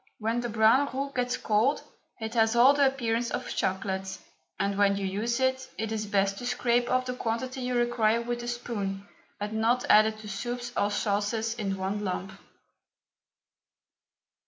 When the brown roux gets cold it has all the appearance of chocolate, and when you use it it is best to scrape off the quantity you require with a spoon, and not add it to soups or sauces in one lump.